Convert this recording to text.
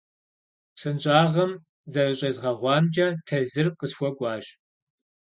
Псынщӏагъэм зэрыщӏезгъэгъуамкӏэ тезыр къысхуэкӏуащ.